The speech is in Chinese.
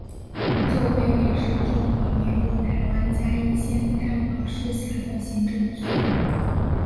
旧埤里是中华民国台湾嘉义县太保市辖下的行政区。